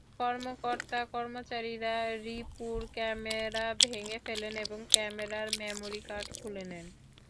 কর্মকর্তা-কর্মচারীরা রিপুর ক্যামেরা ভেঙে ফেলেন এবং ক্যামেরার মেমোরি কার্ড খুলে নেন।